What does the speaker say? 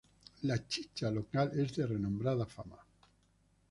La chicha local es de renombrada fama.